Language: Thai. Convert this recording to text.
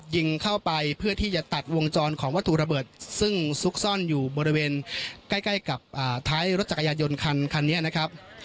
ยิงเข้าไปเพื่อที่จะตัดวงจรของวัตถุระเบิดซึ่งซุกซ่อนอยู่บริเวณใกล้กับท้ายรถจักรยานยนต์คันนี้นะครับ